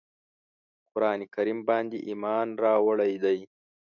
قرآن کریم باندي ایمان راوړی دی.